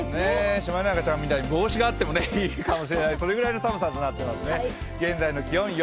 シマエナガちゃんみたいに帽子があってもいいぐらいの寒さになっていますね。